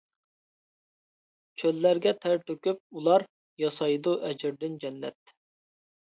چۆللەرگە تەر تۆكۈپ ئۇلار، ياسايدۇ ئەجرىدىن جەننەت.